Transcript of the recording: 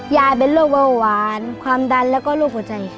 ยายเป็นโรคเบาหวานความดันแล้วก็โรคหัวใจค่ะ